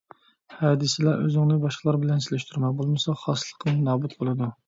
ھە دېسىلا ئۆزۈڭنى باشقىلار بىلەن سېلىشتۇرما، بولمىسا خاسلىقىڭ نابۇت بولىدۇ.